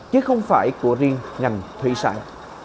chứ không phải của riêng ngành thủy sản